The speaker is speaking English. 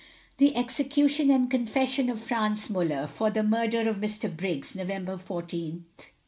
THE EXECUTION AND CONFESSION OF FRANZ MULLER, For the Murder of Mr. BRIGGS, November 14th, 1864.